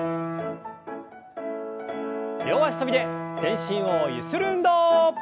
両脚跳びで全身をゆする運動。